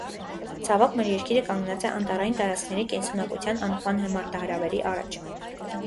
Ցավոք, մեր երկիրը կանգնած է անտառային տարածքների կենսունակության անկման մարտահրավերի առաջ: